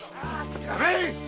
やめい‼